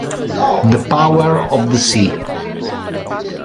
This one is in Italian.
The Power of the Sea